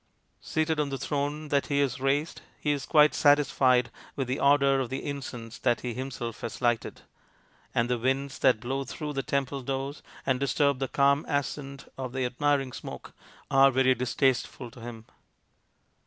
Seated on the throne that he has raised, he is quite satisfied with the odour of the incense that he himself has lighted, and the winds that blow through the temple doors and disturb the calm ascent of the admiring smoke are very distasteful to him.